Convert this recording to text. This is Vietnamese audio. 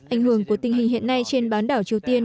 ảnh hưởng của tình hình hiện nay trên bán đảo triều tiên